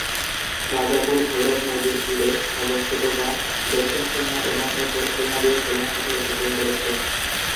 রাজাপুর ভৈরব নদীর তীরে অবস্থিত যা দক্ষিণ খুলনা এবং উত্তর খুলনা দিয়ে খুলনা শহর অতিক্রম করেছে।